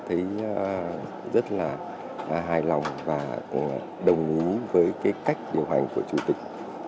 thấy rất là hài lòng và đồng ý với cái cách điều hành của chủ tịch